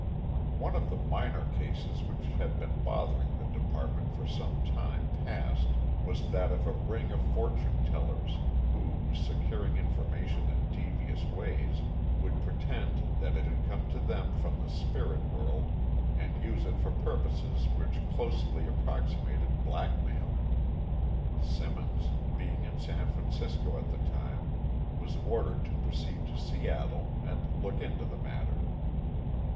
One of the minor cases which had been bothering the department for some time past was that of a ring of fortune tellers who, securing information in devious ways, would pretend that it had come to them from the spirit world and use it for purposes which closely approximated blackmail. Simmons, being in San Francisco at the time, was ordered to proceed to Seattle and look into the matter.